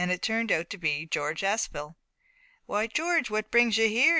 It turned out to be George Aspel. "Why, George, what brings you here?"